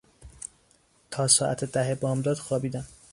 تا ساعت ده بامداد خوابیدم.